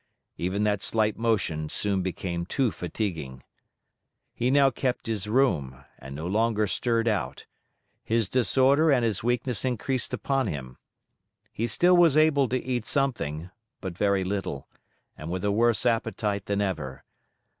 Even that slight motion soon became too fatiguing. He now kept his room, and no longer stirred out. His disorder and his weakness increased upon him. He still was able to eat something, but very little, and with a worse appetite than ever.